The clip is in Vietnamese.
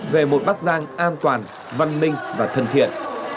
về một bắc giang an toàn văn minh và thân thiện